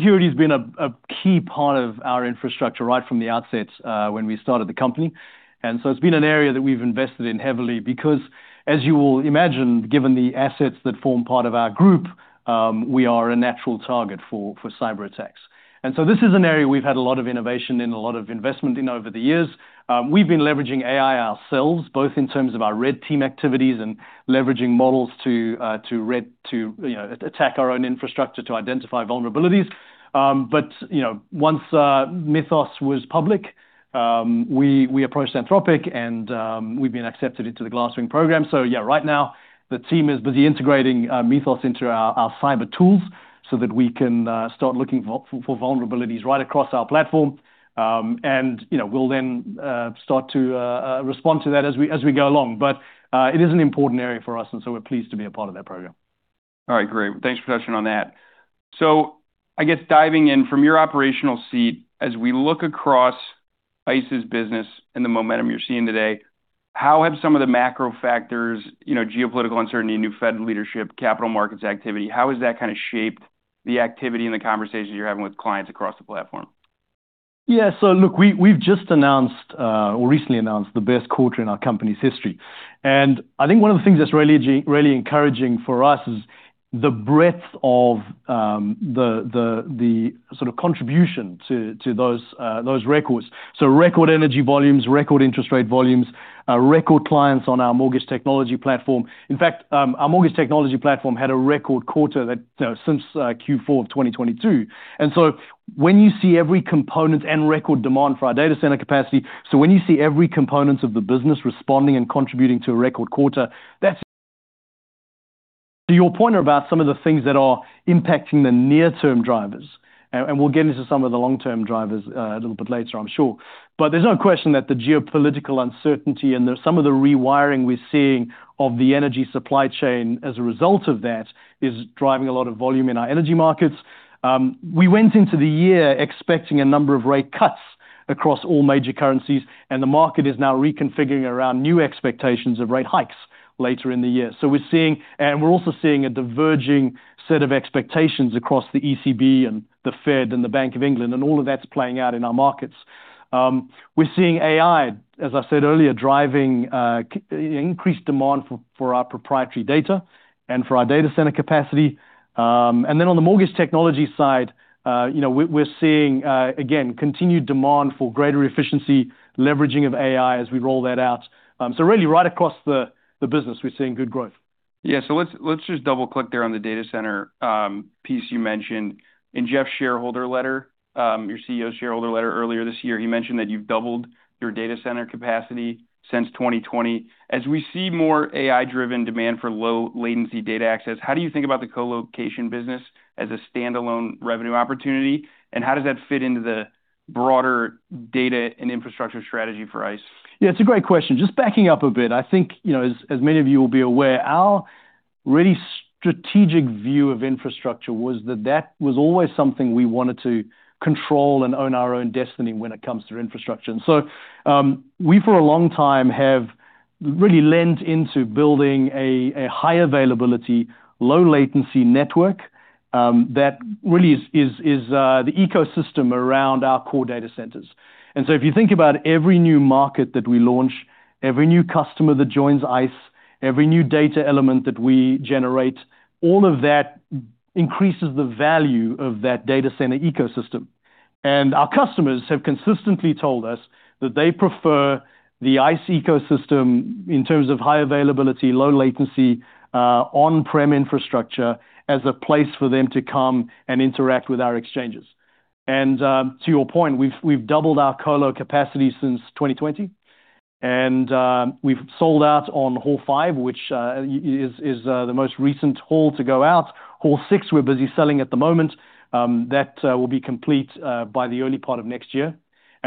Security has been a key part of our infrastructure right from the outset when we started the company. It's been an area that we've invested in heavily because, as you will imagine, given the assets that form part of our group, we are a natural target for cyberattacks. This is an area we've had a lot of innovation in, a lot of investment in over the years. We've been leveraging AI ourselves, both in terms of our red team activities and leveraging models to attack our own infrastructure to identify vulnerabilities. Once Mythos was public, we approached Anthropic, and we've been accepted into the Glasswing program. Yeah, right now the team is busy integrating Mythos into our cyber tools so that we can start looking for vulnerabilities right across our platform. We'll then start to respond to that as we go along. It is an important area for us, and so we're pleased to be a part of that program. All right, great. Thanks for touching on that. I guess diving in from your operational seat, as we look across ICE's business and the momentum you're seeing today, how have some of the macro factors, geopolitical uncertainty, new Fed leadership, capital markets activity, how has that kind of shaped the activity and the conversations you're having with clients across the platform? Yeah. Look, we've just announced, or recently announced, the best quarter in our company's history. I think one of the things that's really encouraging for us is the breadth of the sort of contribution to those records. Record energy volumes, record interest rate volumes, record clients on our mortgage technology platform. In fact, our mortgage technology platform had a record quarter since Q4 of 2022. When you see every component of the business responding and contributing to a record quarter, that's to your point about some of the things that are impacting the near-term drivers, and we'll get into some of the long-term drivers a little bit later, I'm sure. There's no question that the geopolitical uncertainty and some of the rewiring we're seeing of the energy supply chain as a result of that is driving a lot of volume in our energy markets. We went into the year expecting a number of rate cuts across all major currencies, and the market is now reconfiguring around new expectations of rate hikes later in the year. We're also seeing a diverging set of expectations across the ECB and the Fed and the Bank of England, and all of that's playing out in our markets. We're seeing AI, as I said earlier, driving increased demand for our proprietary data and for our data center capacity. On the mortgage technology side, we're seeing, again, continued demand for greater efficiency, leveraging of AI as we roll that out. Really right across the business, we're seeing good growth. Yeah. Let's just double-click there on the data center piece you mentioned. In Jeff's shareholder letter, your CEO's shareholder letter earlier this year, he mentioned that you've doubled your data center capacity since 2020. As we see more AI-driven demand for low-latency data access, how do you think about the colocation business as a standalone revenue opportunity? How does that fit into the broader data and infrastructure strategy for ICE? Yeah, it's a great question. Just backing up a bit, I think as many of you will be aware, our really strategic view of infrastructure was always something we wanted to control and own our own destiny when it comes to infrastructure. We for a long time have really leant into building a high-availability, low-latency network that really is the ecosystem around our core data centers. If you think about every new market that we launch, every new customer that joins ICE, every new data element that we generate, all of that increases the value of that data center ecosystem. Our customers have consistently told us that they prefer the ICE ecosystem in terms of high availability, low latency, on-prem infrastructure as a place for them to come and interact with our exchanges. To your point, we've doubled our colo capacity since 2020, and we've sold out on Hall 5, which is the most recent hall to go out. Hall 6, we're busy selling at the moment. That will be complete by the early part of next year.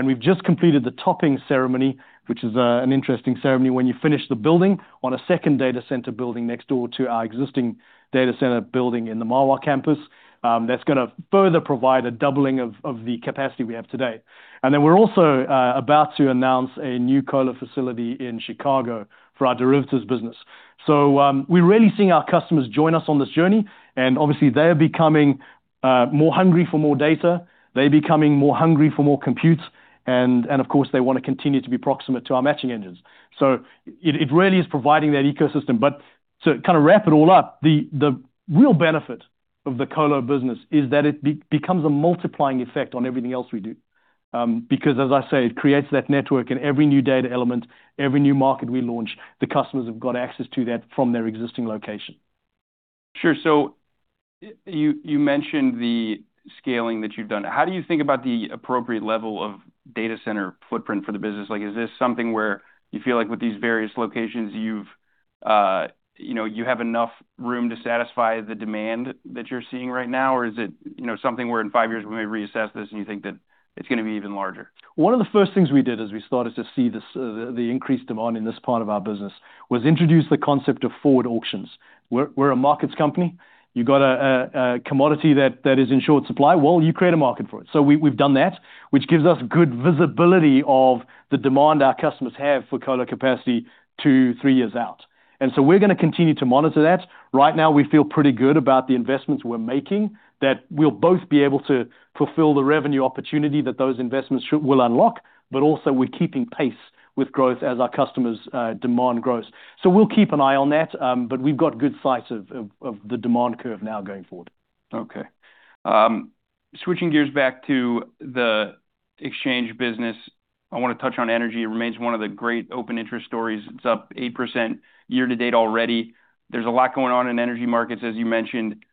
We've just completed the topping ceremony, which is an interesting ceremony when you finish the building on a second data center building next door to our existing data center building in the Mahwah campus. That's going to further provide a doubling of the capacity we have today. We're also about to announce a new colo facility in Chicago for our derivatives business. We're really seeing our customers join us on this journey, and obviously, they are becoming more hungry for more data. They're becoming more hungry for more compute, of course, they want to continue to be proximate to our matching engines. It really is providing that ecosystem. To kind of wrap it all up, the real benefit of the colo business is that it becomes a multiplying effect on everything else we do. As I say, it creates that network in every new data element, every new market we launch, the customers have got access to that from their existing location. Sure. You mentioned the scaling that you've done. How do you think about the appropriate level of data center footprint for the business? Like, is this something where you feel like with these various locations you have enough room to satisfy the demand that you're seeing right now? Or is it something where in five years we may reassess this, and you think that it's going to be even larger? One of the first things we did as we started to see the increased demand in this part of our business was introduce the concept of forward auctions. We're a markets company. You've got a commodity that is in short supply. Well, you create a market for it. We've done that, which gives us good visibility of the demand our customers have for colo capacity two, three years out. We're going to continue to monitor that. Right now, we feel pretty good about the investments we're making, that we'll both be able to fulfill the revenue opportunity that those investments will unlock, but also we're keeping pace with growth as our customers' demand grows. We'll keep an eye on that, but we've got good sight of the demand curve now going forward. Okay. Switching gears back to the exchange business, I want to touch on energy. It remains one of the great open interest stories. It's up 8% year-to-date already. There's a lot going on in energy markets, as you mentioned.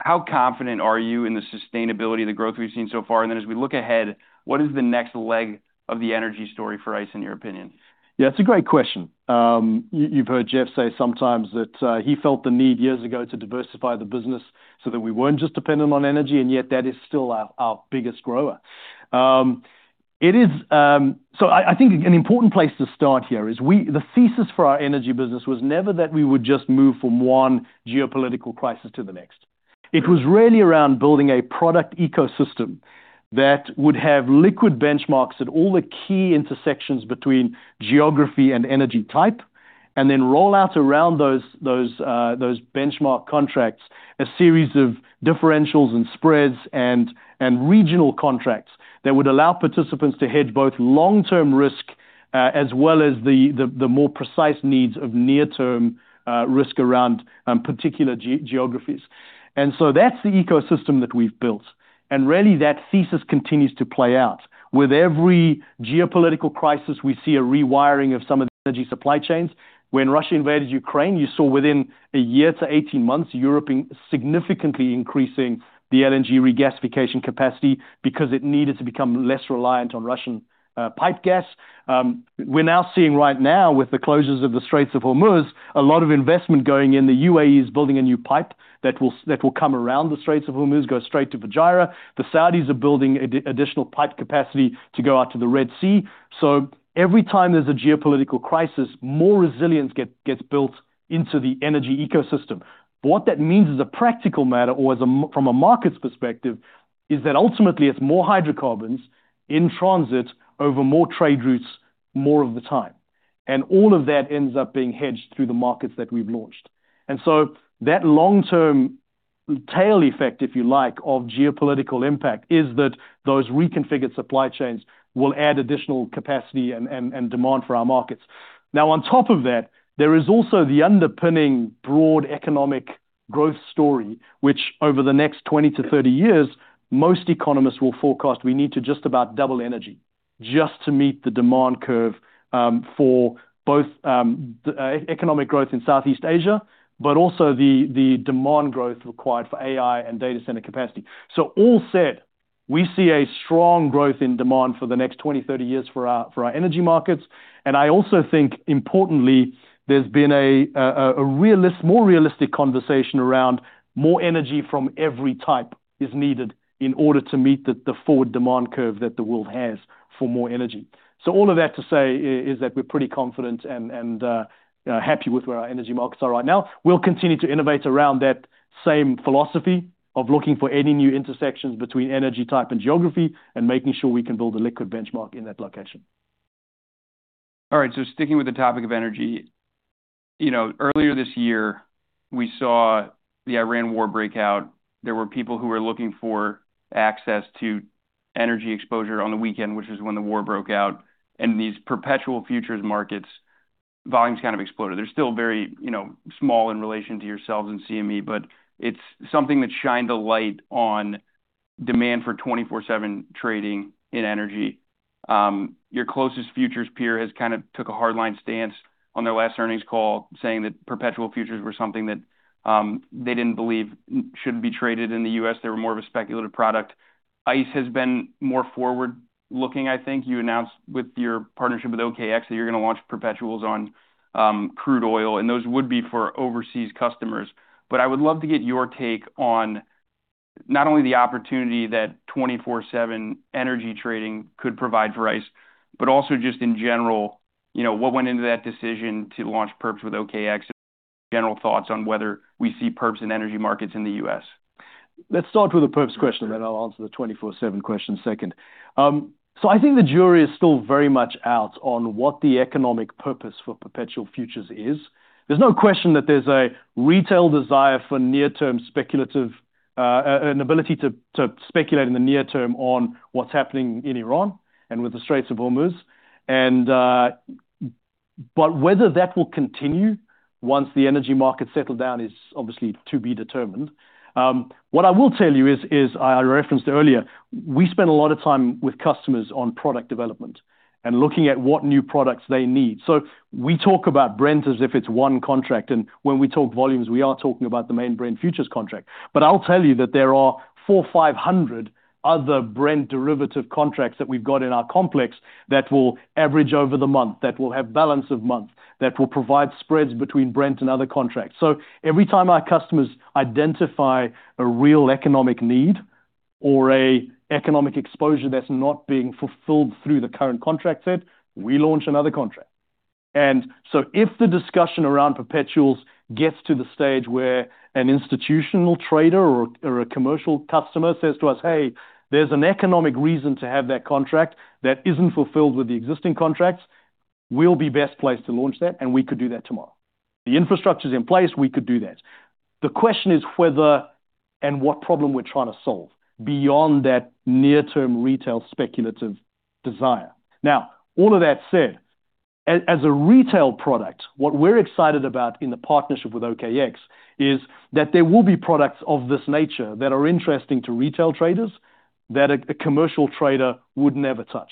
How confident are you in the sustainability of the growth we've seen so far? As we look ahead, what is the next leg of the energy story for ICE, in your opinion? It's a great question. You've heard Jeff say sometimes that he felt the need years ago to diversify the business so that we weren't just dependent on energy, and yet that is still our biggest grower. I think an important place to start here is the thesis for our energy business was never that we would just move from one geopolitical crisis to the next. It was really around building a product ecosystem that would have liquid benchmarks at all the key intersections between geography and energy type, and then roll out around those benchmark contracts, a series of differentials and spreads and regional contracts that would allow participants to hedge both long-term risk, as well as the more precise needs of near-term risk around particular geographies. That's the ecosystem that we've built. Really, that thesis continues to play out. With every geopolitical crisis, we see a rewiring of some of the energy supply chains. When Russia invaded Ukraine, you saw within a year to 18 months, Europe significantly increasing the LNG regasification capacity because it needed to become less reliant on Russian pipe gas. We're now seeing right now, with the closures of the Straits of Hormuz, a lot of investment going in. The UAE is building a new pipe that will come around the Straits of Hormuz, go straight to Fujairah. The Saudis are building additional pipe capacity to go out to the Red Sea. Every time there's a geopolitical crisis, more resilience gets built into the energy ecosystem. What that means as a practical matter or from a markets perspective, is that ultimately it's more hydrocarbons in transit over more trade routes, more of the time. All of that ends up being hedged through the markets that we've launched. That long-term tail effect, if you like, of geopolitical impact is that those reconfigured supply chains will add additional capacity and demand for our markets. Now, on top of that, there is also the underpinning broad economic growth story, which over the next 20-30 years, most economists will forecast we need to just about double energy just to meet the demand curve for both economic growth in Southeast Asia, but also the demand growth required for AI and data center capacity. All said, we see a strong growth in demand for the next 20-30 years for our energy markets. I also think, importantly, there's been a more realistic conversation around more energy from every type is needed in order to meet the forward demand curve that the world has for more energy. All of that to say is that we're pretty confident and happy with where our energy markets are right now. We'll continue to innovate around that same philosophy of looking for any new intersections between energy type and geography and making sure we can build a liquid benchmark in that location. Sticking with the topic of energy. Earlier this year, we saw the Iran war breakout. There were people who were looking for access to energy exposure on the weekend, which is when the war broke out. These perpetual futures markets volumes kind of exploded. They're still very small in relation to yourselves and CME, but it's something that shined a light on demand for 24/7 trading in energy. Your closest futures peer has kind of took a hardline stance on their last earnings call, saying that perpetual futures were something that they didn't believe should be traded in the U.S., they were more of a speculative product. ICE has been more forward-looking, I think. You announced with your partnership with OKX that you're going to launch perpetuals on crude oil, and those would be for overseas customers. I would love to get your take on not only the opportunity that 24/7 energy trading could provide for ICE, but also just in general, what went into that decision to launch perps with OKX and just general thoughts on whether we see perps in energy markets in the U.S. Let's start with the perps question. I'll answer the 24/7 question second. I think the jury is still very much out on what the economic purpose for perpetual futures is. There's no question that there's a retail desire for an ability to speculate in the near term on what's happening in Iran and with the Straits of Hormuz. Whether that will continue once the energy markets settle down is obviously to be determined. What I will tell you is, I referenced earlier, we spend a lot of time with customers on product development and looking at what new products they need. We talk about Brent as if it's one contract, and when we talk volumes, we are talking about the main Brent futures contract. I'll tell you that there are 400, 500 other Brent derivative contracts that we've got in our complex that will average over the month, that will have balance of month, that will provide spreads between Brent and other contracts. Every time our customers identify a real economic need or a economic exposure that's not being fulfilled through the current contract set, we launch another contract. If the discussion around perpetuals gets to the stage where an institutional trader or a commercial customer says to us, "Hey, there's an economic reason to have that contract that isn't fulfilled with the existing contracts," we'll be best placed to launch that, and we could do that tomorrow. The infrastructure's in place, we could do that. The question is whether and what problem we're trying to solve beyond that near-term retail speculative desire. All of that said, as a retail product, what we're excited about in the partnership with OKX is that there will be products of this nature that are interesting to retail traders that a commercial trader would never touch.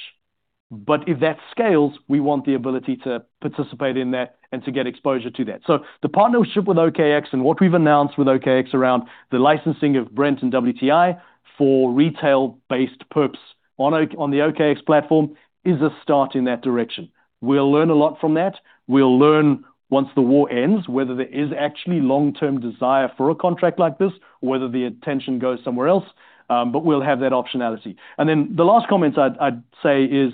If that scales, we want the ability to participate in that and to get exposure to that. The partnership with OKX and what we've announced with OKX around the licensing of Brent and WTI for retail-based perps on the OKX platform is a start in that direction. We'll learn a lot from that. We'll learn, once the war ends, whether there is actually long-term desire for a contract like this, or whether the attention goes somewhere else. We'll have that optionality. The last comment I'd say is,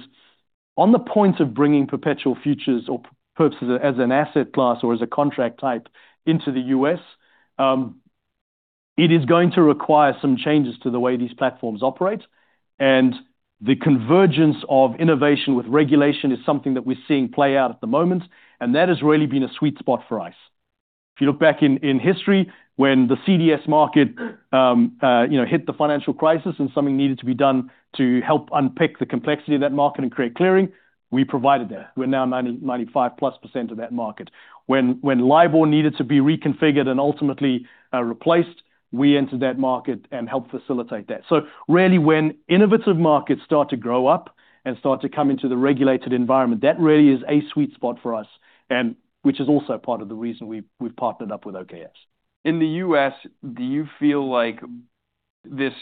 on the point of bringing perpetual futures or perps as an asset class or as a contract type into the U.S., it is going to require some changes to the way these platforms operate. The convergence of innovation with regulation is something that we're seeing play out at the moment, and that has really been a sweet spot for ICE. If you look back in history when the CDS market hit the financial crisis and something needed to be done to help unpick the complexity of that market and create clearing, we provided that. We're now 95%+ of that market. When LIBOR needed to be reconfigured and ultimately replaced, we entered that market and helped facilitate that. Really, when innovative markets start to grow up and start to come into the regulated environment, that really is a sweet spot for us, and which is also part of the reason we've partnered up with OKX. In the U.S., do you feel like this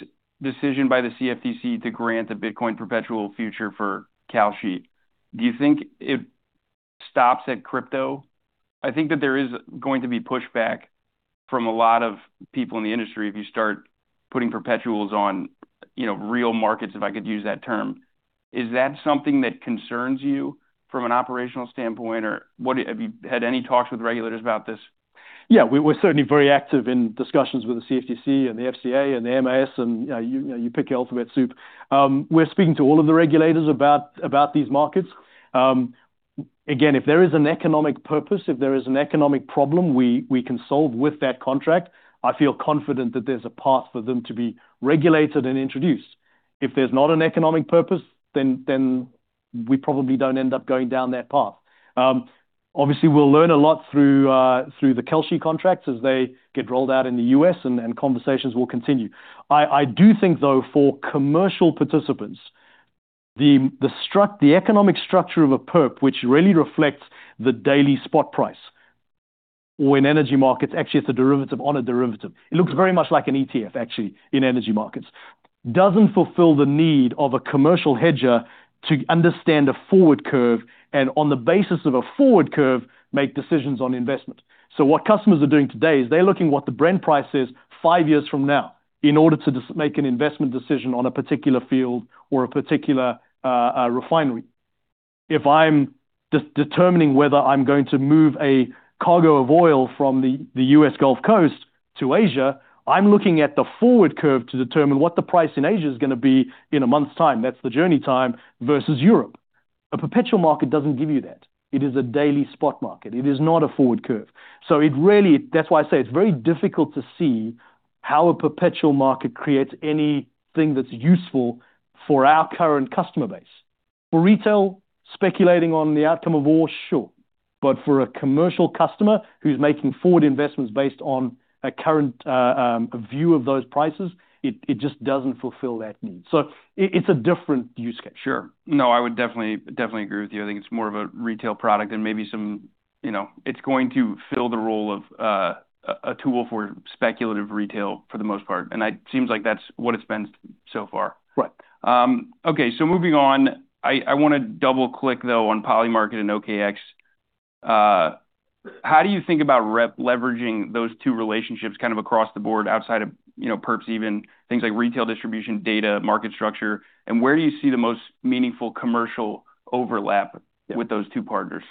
decision by the CFTC to grant a Bitcoin perpetual future for Kalshi, do you think it stops at crypto? I think that there is going to be pushback from a lot of people in the industry if you start putting perpetuals on real markets, if I could use that term. Is that something that concerns you from an operational standpoint, or have you had any talks with regulators about this? Yeah. We're certainly very active in discussions with the CFTC and the FCA and the MAS. You pick your alphabet soup. We're speaking to all of the regulators about these markets. Again, if there is an economic purpose, if there is an economic problem we can solve with that contract, I feel confident that there's a path for them to be regulated and introduced. If there's not an economic purpose, then we probably don't end up going down that path. Obviously, we'll learn a lot through the Kalshi contracts as they get rolled out in the U.S. Conversations will continue. I do think, though, for commercial participants, the economic structure of a perp, which really reflects the daily spot price, or in energy markets actually it's a derivative on a derivative. It looks very much like an ETF actually in energy markets. Doesn't fulfill the need of a commercial hedger to understand a forward curve, and on the basis of a forward curve, make decisions on investments. What customers are doing today is they're looking what the Brent price is five years from now in order to make an investment decision on a particular field or a particular refinery. If I'm determining whether I'm going to move a cargo of oil from the U.S. Gulf Coast to Asia, I'm looking at the forward curve to determine what the price in Asia is going to be in a month's time, that's the journey time, versus Europe. A perpetual market doesn't give you that. It is a daily spot market. It is not a forward curve. That's why I say it's very difficult to see how a perpetual market creates anything that's useful for our current customer base. For retail speculating on the outcome of war, sure. For a commercial customer who's making forward investments based on a current view of those prices, it just doesn't fulfill that need. It's a different use case. Sure. No, I would definitely agree with you. I think it's more of a retail product. It's going to fill the role of a tool for speculative retail for the most part, and it seems like that's what it's been so far. Right. Moving on. I want to double-click, though, on Polymarket and OKX. How do you think about leveraging those two relationships kind of across the board outside of perps even, things like retail distribution, data, market structure, and where do you see the most meaningful commercial overlap with those two partners?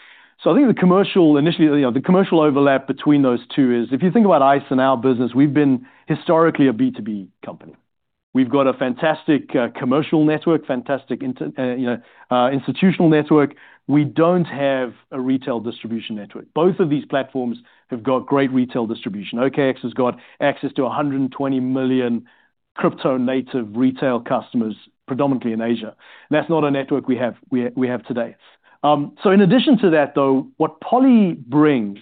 I think initially, the commercial overlap between those two is if you think about ICE and our business, we've been historically a B2B company. We've got a fantastic commercial network, fantastic institutional network. We don't have a retail distribution network. Both of these platforms have got great retail distribution. OKX has got access to 120 million crypto-native retail customers, predominantly in Asia. That's not a network we have today. In addition to that, though, what Poly brings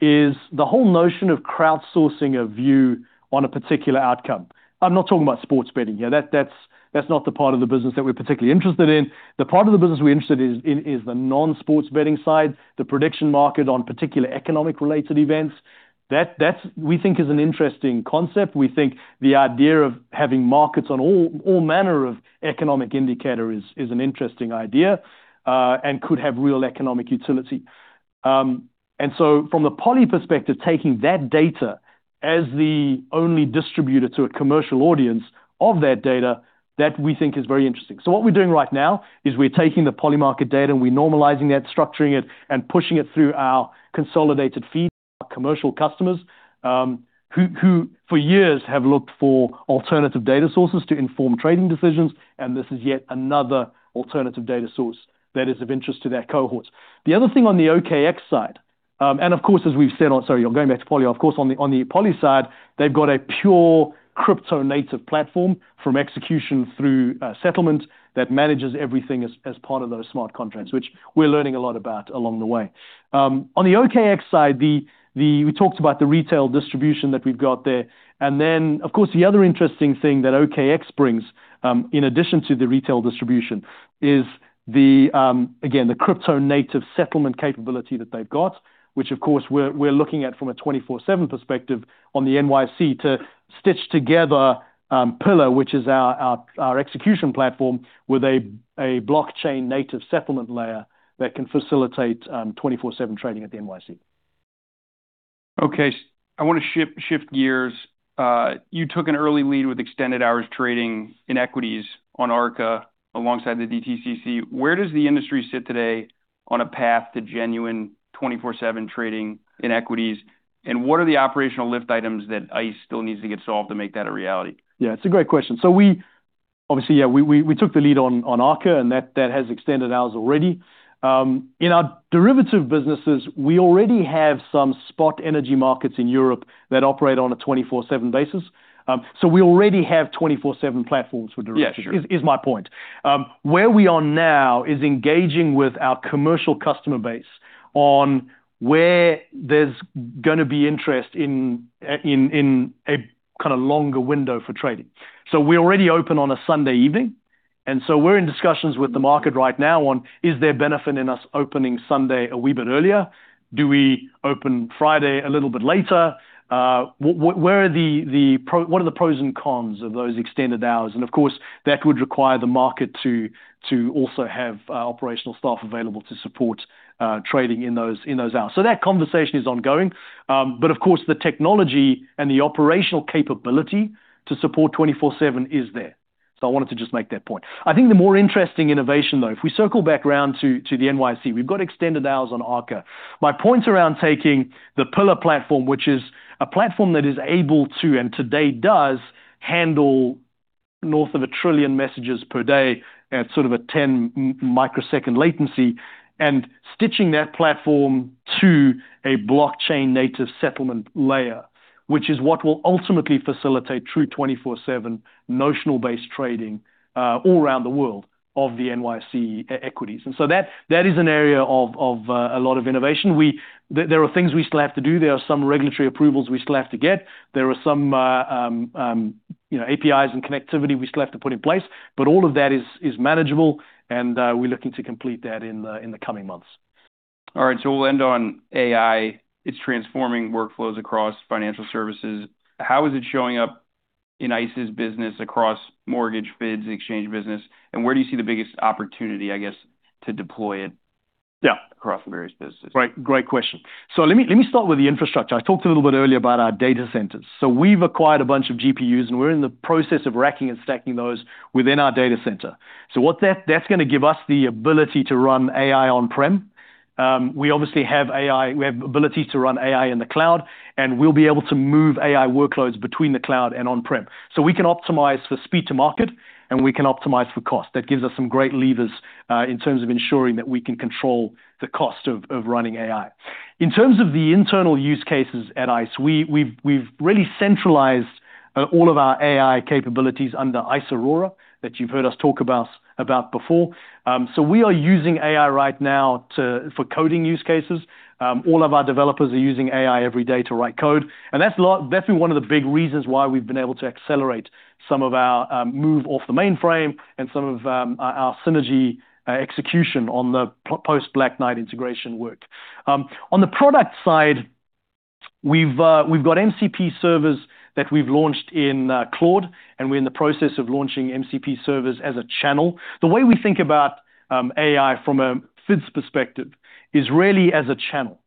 is the whole notion of crowdsourcing a view on a particular outcome. I'm not talking about sports betting here. That's not the part of the business that we're particularly interested in. The part of the business we're interested in is the non-sports betting side, the prediction market on particular economic-related events. That we think is an interesting concept. We think the idea of having markets on all manner of economic indicator is an interesting idea, and could have real economic utility. From the Poly perspective, taking that data as the only distributor to a commercial audience of that data, that we think is very interesting. What we're doing right now is we're taking the Polymarket data and we're normalizing that, structuring it, and pushing it through our consolidated feed to our commercial customers, who for years have looked for alternative data sources to inform trading decisions, and this is yet another alternative data source that is of interest to that cohort. The other thing on the OKX side. Of course, as we've said. Sorry, going back to Poly. Of course, on the Poly side, they've got a pure crypto-native platform from execution through settlement that manages everything as part of those smart contracts, which we're learning a lot about along the way. On the OKX side, we talked about the retail distribution that we've got there. Of course, the other interesting thing that OKX brings, in addition to the retail distribution, is the, again, the crypto-native settlement capability that they've got, which of course, we're looking at from a 24/7 perspective on the NYSE to stitch together NYSE Pillar, which is our execution platform with a blockchain-native settlement layer that can facilitate 24/7 trading at the NYSE. Okay. I want to shift gears. You took an early lead with extended hours trading in equities on Arca alongside the DTCC. Where does the industry sit today on a path to genuine 24/7 trading in equities, and what are the operational lift items that ICE still needs to get solved to make that a reality? Yeah, it's a great question. We obviously, yeah, we took the lead on Arca, and that has extended hours already. In our derivative businesses, we already have some spot energy markets in Europe that operate on a 24/7 basis. We already have 24/7 platforms for derivatives. Yeah, sure. Is my point. Where we are now is engaging with our commercial customer base on where there's going to be interest in a kind of longer window for trading. We already open on a Sunday evening, we're in discussions with the market right now on, is there benefit in us opening Sunday a wee bit earlier? Do we open Friday a little bit later? What are the pros and cons of those extended hours? Of course, that would require the market to also have operational staff available to support trading in those hours. That conversation is ongoing. Of course, the technology and the operational capability to support 24/7 is there. I wanted to just make that point. I think the more interesting innovation, though, if we circle back around to the NYSE, we've got extended hours on Arca. My point around taking the Pillar platform, which is a platform that is able to, and today does handle north of a trillion messages per day at sort of a 10 microsecond latency, and stitching that platform to a blockchain native settlement layer, which is what will ultimately facilitate true 24/7 notional-based trading all around the world of the NYSE equities. That is an area of a lot of innovation. There are things we still have to do. There are some regulatory approvals we still have to get. There are some APIs and connectivity we still have to put in place, but all of that is manageable, and we're looking to complete that in the coming months. All right. We'll end on AI. It's transforming workflows across financial services. How is it showing up in ICE's business across mortgage, FIDS, exchange business, and where do you see the biggest opportunity, I guess, to deploy it across various businesses? Right. Great question. Let me start with the infrastructure. I talked a little bit earlier about our data centers. We've acquired a bunch of GPUs, and we're in the process of racking and stacking those within our data center. That's going to give us the ability to run AI on-prem. We obviously have ability to run AI in the cloud, and we'll be able to move AI workloads between the cloud and on-prem. We can optimize for speed to market, and we can optimize for cost. That gives us some great levers, in terms of ensuring that we can control the cost of running AI. In terms of the internal use cases at ICE, we've really centralized all of our AI capabilities under ICE Aurora that you've heard us talk about before. We are using AI right now for coding use cases. All of our developers are using AI every day to write code, and that's been one of the big reasons why we've been able to accelerate some of our move off the mainframe and some of our synergy execution on the post-Black Knight integration work. On the product side, we've got MCP servers that we've launched in Claude, and we're in the process of launching MCP servers as a channel. The way we think about AI from a FIDS perspective is really as a channel.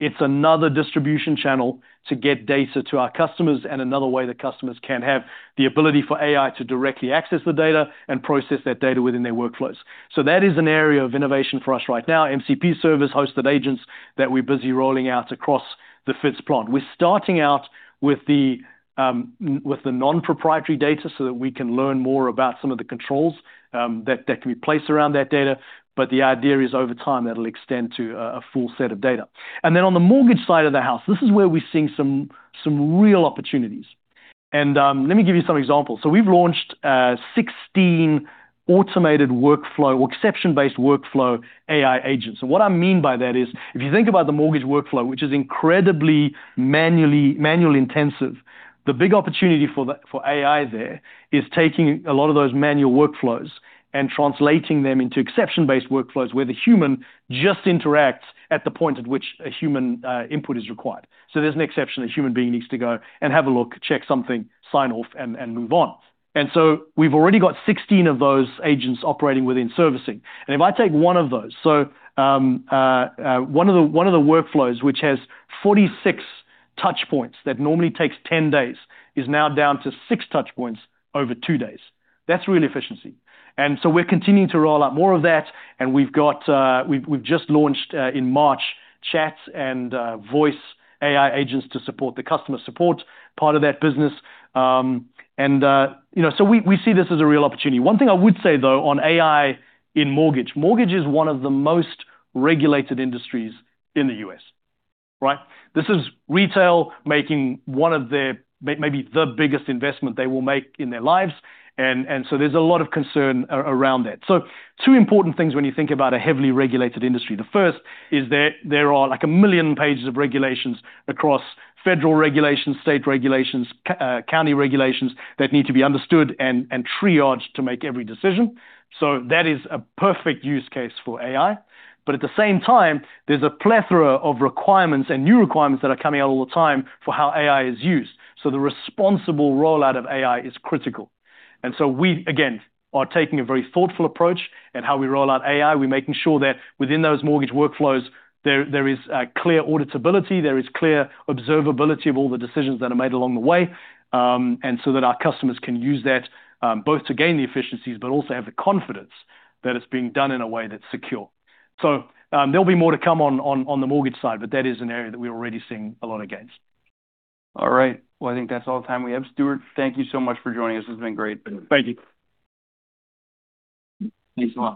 It's another distribution channel to get data to our customers and another way that customers can have the ability for AI to directly access the data and process that data within their workflows. That is an area of innovation for us right now, MCP servers, hosted agents that we're busy rolling out across the FIDS plan. We're starting out with the non-proprietary data so that we can learn more about some of the controls that can be placed around that data. The idea is, over time, that'll extend to a full set of data. On the mortgage side of the house, this is where we're seeing some real opportunities. Let me give you some examples. We've launched 16 automated workflow or exception-based workflow AI agents. What I mean by that is, if you think about the mortgage workflow, which is incredibly manually intensive, the big opportunity for AI there is taking a lot of those manual workflows and translating them into exception-based workflows where the human just interacts at the point at which a human input is required. There's an exception, a human being needs to go and have a look, check something, sign off, and move on. We've already got 16 of those agents operating within servicing. If I take one of those, so one of the workflows, which has 46 touchpoints that normally takes 10 days, is now down to six touchpoints over two days. That's real efficiency. We're continuing to roll out more of that, and we've just launched, in March, chat and voice AI agents to support the customer support part of that business. We see this as a real opportunity. One thing I would say, though, on AI in mortgage. Mortgage is one of the most regulated industries in the U.S., right? This is retail making one of their maybe the biggest investment they will make in their lives, and there's a lot of concern around that. Two important things when you think about a heavily regulated industry. The first is there are like 1 million pages of regulations across federal regulations, state regulations, county regulations that need to be understood and triaged to make every decision. That is a perfect use case for AI. At the same time, there's a plethora of requirements and new requirements that are coming out all the time for how AI is used. The responsible rollout of AI is critical. We, again, are taking a very thoughtful approach in how we roll out AI. We're making sure that within those mortgage workflows, there is clear auditability, there is clear observability of all the decisions that are made along the way, and so that our customers can use that both to gain the efficiencies but also have the confidence that it's being done in a way that's secure. There'll be more to come on the mortgage side, but that is an area that we're already seeing a lot of gains. All right. Well, I think that's all the time we have. Stuart, thank you so much for joining us. This has been great. Thank you. Thanks a lot.